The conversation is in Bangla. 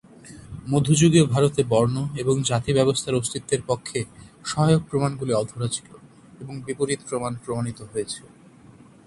মধ্যযুগীয় ভারতে "বর্ণ" এবং "জাতি" ব্যবস্থার অস্তিত্বের পক্ষে সহায়ক প্রমাণগুলি অধরা ছিল, এবং বিপরীত প্রমাণ প্রমাণিত হয়েছে।